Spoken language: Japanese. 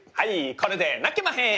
これで泣けまへん！